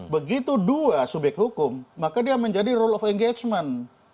begitu dua subyek hukum maka dia menjadi rule of engagement